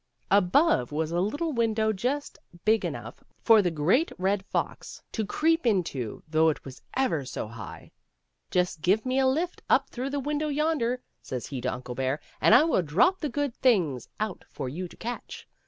Above was a little window just big enough for the Great Red Fox to 286 HOW TWO WENT INTO PARTNERSHIP. creep into, though it was up ever so high. " Just give me a lift up through the window yonder," says he to Uncle Bear, " and I will drop the good things out for you to catch."